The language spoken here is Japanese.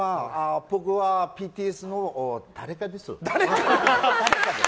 僕は、ＢＴＳの誰かです。